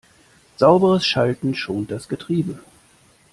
Sauberes Schalten schont das Getriebe.